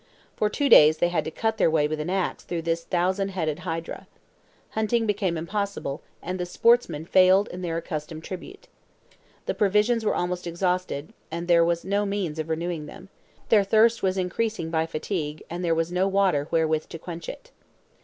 For two days, they had to cut their way with an ax through this thousand headed hydra. Hunting became impossible, and the sportsmen failed in their accustomed tribute. The provisions were almost exhausted, and there was no means of renewing them; their thirst was increasing by fatigue, and there was no water wherewith to quench it.